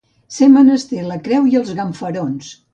Ser menester la creu i els ganfarons.